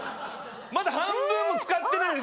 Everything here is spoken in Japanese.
まだ半分も使ってないのに。